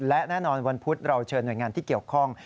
และแน่นอนวันพุธเราเชิญหน่วยงานที่เกี่ยวข้อง